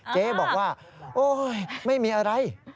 เจ๊บอกว่าโอ๊ยไม่มีอะไร